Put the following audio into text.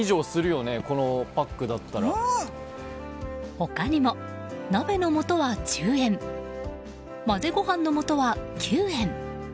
他にも、鍋のもとは１０円混ぜご飯のもとは９円。